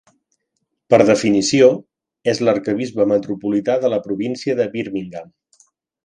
Per definició, és l'arquebisbe metropolità de la província de Birmingham.